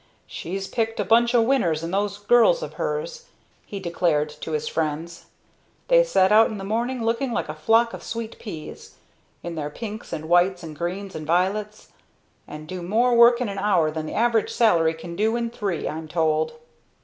"She's picked a bunch o' winners in those girls of hers," he declared to his friends. "They set out in the morning looking like a flock of sweet peas in their pinks and whites and greens and vi'lets, and do more work in an hour than the average slavey can do in three, I'm told."